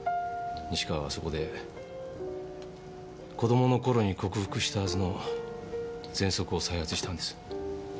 西川はそこで子供の頃に克服したはずの喘息を再発したんです。